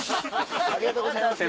ありがとうございます。